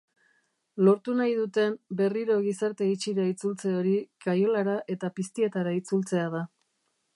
Lortu nahi duten berriro gizarte itxira itzultze hori kaiolara eta piztietara itzultzea da.